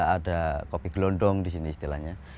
ada kopi gelondong di sini istilahnya